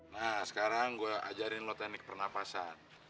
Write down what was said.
nah sekarang gue ajarin lo teknik pernafasan